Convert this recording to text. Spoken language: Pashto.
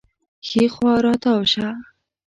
ښي خوا راتاو شه